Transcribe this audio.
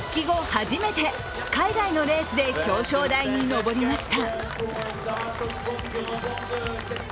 初めて海外のレースで表彰台に上りました。